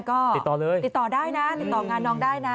ก็ติดต่อได้นะติดต่องานน้องได้นะ